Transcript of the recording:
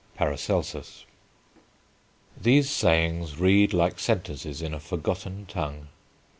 (Paracelsus.) These sayings read like sentences in a forgotten tongue.